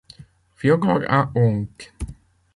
Fiodor a honte.